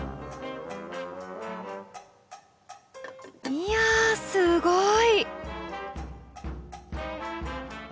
いやすごい！